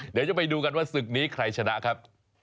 เดี๋ยวจะไปดูกันว่าศึกนี้ใครชนะครับ